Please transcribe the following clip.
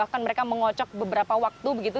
bahkan mereka mengocok beberapa waktu begitu